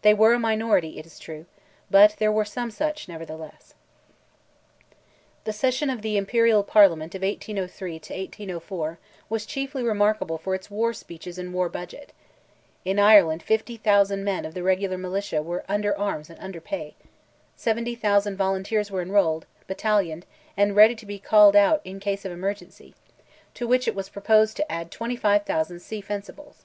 They were a minority, it is true, but there were some such, nevertheless. The session of the Imperial Parliament of 1803 '4, was chiefly remarkable for its war speeches and war budget. In Ireland 50,000 men of the regular militia were under arms and under pay; 70,000 volunteers were enrolled, battalioned, and ready to be called out in case of emergency, to which it was proposed to add 25,000 sea fencibles.